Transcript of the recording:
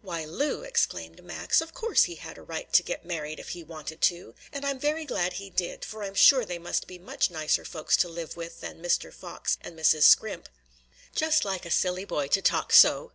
"Why, Lu!" exclaimed Max, "of course he had a right to get married if he wanted to! And I'm very glad he did, for I'm sure they must be much nicer folks to live with than Mr. Fox and Mrs. Scrimp." "Just like a silly boy to talk so!"